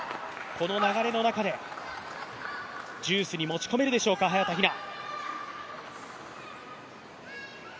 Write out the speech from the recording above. この流れの中でジュースに持ち込めるでしょうか早田ひな。